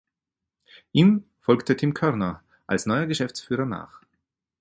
Ihm folgte Tim Körner als neuer Geschäftsführer nach.